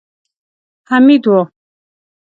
حميد و.